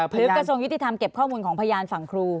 กระทรวงยุติธรรมเก็บข้อมูลของพยานฝั่งครู